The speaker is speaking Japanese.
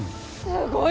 すごい！